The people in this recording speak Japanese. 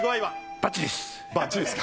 バッチリですか？